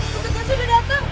kutuk kutuk sudah datang